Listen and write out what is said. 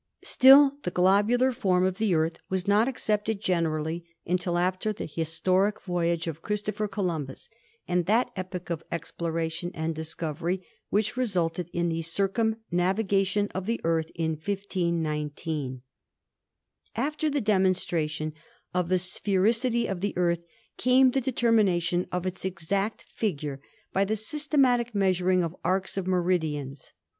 Still the globular form of the Earth was not accepted generally until after the historic voyage of Christopher Columbus and that epoch of exploration and discovery which resulted in the circumnavigation of the Earth in 1519. After the demonstration of the sphericity of the Earth came the determination of its exact figure by the systematic measuring of arcs of meridians.